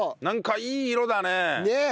なんかいい色だね。